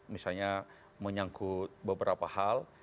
misalnya menyangkut beberapa hal